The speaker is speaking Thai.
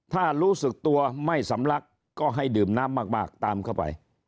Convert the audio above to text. ถ้ารู้สึกตัวไม่สำลักก็ให้ดื่มน้ำมากตามเข้าไป